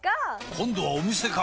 今度はお店か！